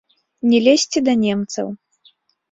Не лезці да немцаў.